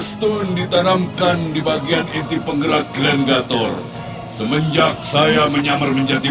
stand ditanamkan di bagian inti penggerak glandator semenjak saya menyamar menjadi